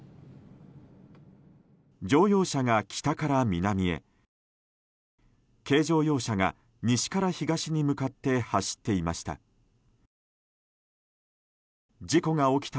乗用車が北から南へ軽乗用車が、西から東に向かって走っていました。